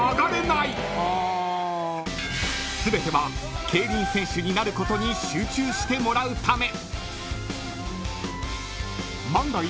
［全ては競輪選手になることに集中してもらうため］